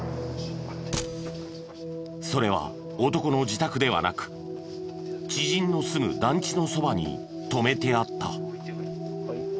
それは男の自宅ではなく知人の住む団地のそばに止めてあった。